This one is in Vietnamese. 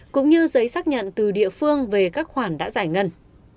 cũng như giấy xác nhận từ địa phương về các khoản đã giải ngân